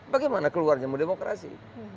bagaimana keluarnya mau demokrasi